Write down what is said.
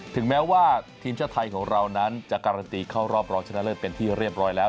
ถึงแม้ว่าทีมชาติไทยของเรานั้นจะการันตีเข้ารอบรองชนะเลิศเป็นที่เรียบร้อยแล้ว